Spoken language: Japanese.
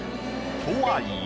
とはいえ。